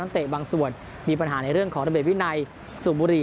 นักเตะบางส่วนมีปัญหาในเรื่องขออนุเวดวินัยสูงบุหรี่